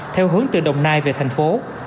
theo hướng từ đồng nai về thành phố